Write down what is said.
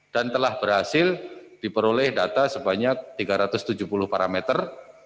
telah berhasil diperoleh data sebanyak tiga ratus tujuh puluh parameter